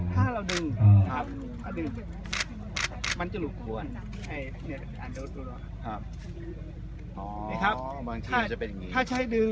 ถ้าถ้าเดินมาครับถ้าเดินลูกมันจะเหมือนกันค่ะมันจะเห็นอ่อ